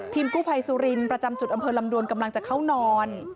กู้ภัยสุรินทร์ประจำจุดอำเภอลำดวนกำลังจะเข้านอน